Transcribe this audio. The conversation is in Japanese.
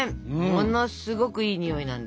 ものすごくいいにおいなんですが。